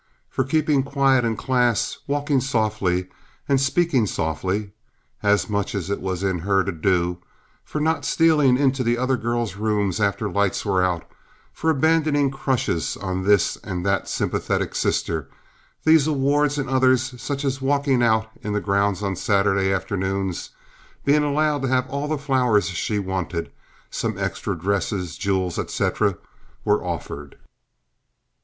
For keeping quiet in class, walking softly, and speaking softly—as much as it was in her to do—for not stealing into other girl's rooms after lights were out, and for abandoning crushes on this and that sympathetic sister, these awards and others, such as walking out in the grounds on Saturday afternoons, being allowed to have all the flowers she wanted, some extra dresses, jewels, etc., were offered.